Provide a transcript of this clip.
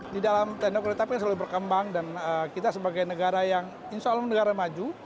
di dalam teknok kereta api yang selalu berkembang dan kita sebagai negara yang insya allah negara maju